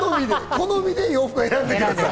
好みで洋服は選んでください。